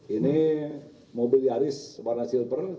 ini mobil nyaris warna silver